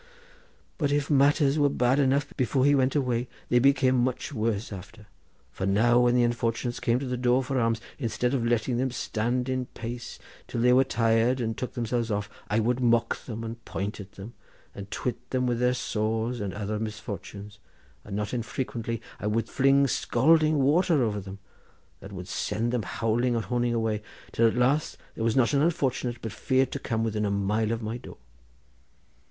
But if matters were bad enough before he went away, they became much worse after; for now when the unfortunates came to the door for alms, instead of letting them stand in pace till they were tired, and took themselves off, I would mock them and point at them, and twit them with their sores and other misfortunes, and not unfrequently I would fling scalding water over them, which would send them howling and honing away, till at last there was not an unfortunate but feared to come within a mile of my door.